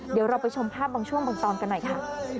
เดี๋ยวเราไปชมภาพบางช่วงบางตอนกันหน่อยค่ะ